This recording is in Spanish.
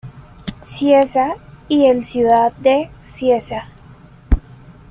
Cieza y el Ciudad de Cieza.